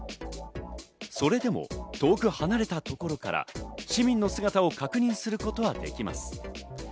それでも遠く離れたところから市民の姿を確認することはできます。